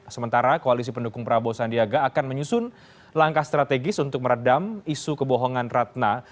sementara koalisi pendukung prabowo sandiaga akan menyusun langkah strategis untuk meredam isu kebohongan ratna